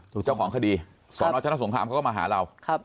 ถูกเจ้าของคดีสนทสงครามเขาก็มาหาเราครับ